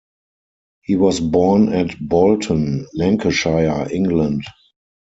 He was born at Bolton, Lancashire, England.